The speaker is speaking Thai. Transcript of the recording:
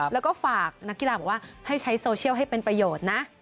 แล้วก็ฝากนักกีฬาบอกว่าให้ใช้โซเชียลให้เป็นประโยชน์นะ